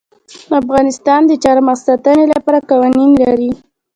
افغانستان د چار مغز د ساتنې لپاره قوانین لري.